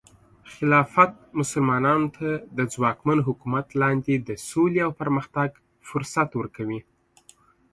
خلافت مسلمانانو ته د ځواکمن حکومت لاندې د سولې او پرمختګ فرصت ورکوي.